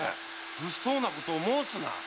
物騒なことを申すな！